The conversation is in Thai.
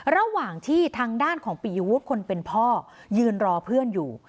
ระหว่างที่ทางด้านของปียวุฒิคนเป็นพ่อยืนรอเพื่อนอยู่